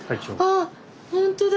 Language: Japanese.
あほんとだ！